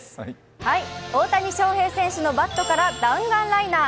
大谷翔平選手のバットから弾丸ライナー。